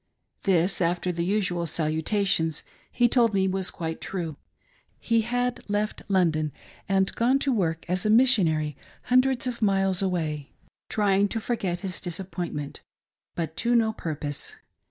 This, after the usual saluta^ tions, he told me was quite true ;— he had left London and gone to work a& a Missionary hundreds of miles away ; trying to forget his disappointment, but to no purpose.